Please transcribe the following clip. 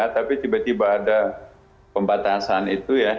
tapi tiba tiba ada pembatasan itu ya